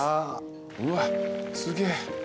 うわっすげえ。